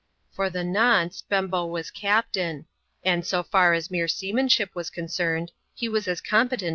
For the noace, Bembo was captain ; and, so far as mere sea amnahip was coiic6ymed, he was as comi^Xftm \.